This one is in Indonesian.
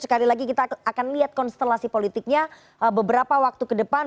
sekali lagi kita akan lihat konstelasi politiknya beberapa waktu ke depan